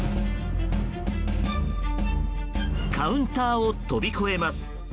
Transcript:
カウンターを跳び越えます。